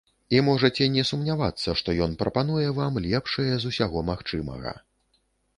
І можаце не сумнявацца, што ён прапануе вам лепшае з усяго магчымага.